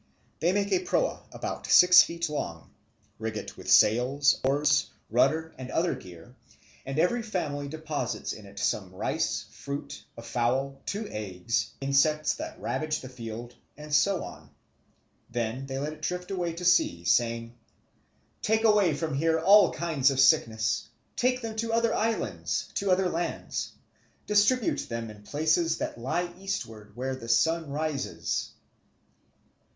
They make a proa about six feet long, rig it with sails, oars, rudder, and other gear, and every family deposits in its some rice, fruit, a fowl, two eggs, insects that ravage the fields, and so on. Then they let it drift away to sea, saying, "Take away from here all kinds of sickness, take them to other islands, to other lands, distribute them in places that lie eastward, where the sun rises."